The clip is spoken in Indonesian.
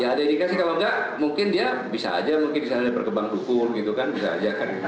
ya ada indikasi kalau enggak mungkin dia bisa aja mungkin disana ada perkembang hukum gitu kan bisa aja kan